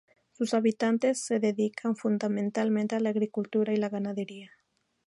Sus habitantes se dedican fundamentalmente a la agricultura y la ganadería.